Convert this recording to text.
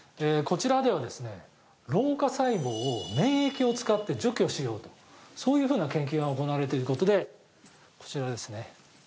こちらでは老化細胞を免疫を使って除去しようとそういう研究が行われているということでこちらですね。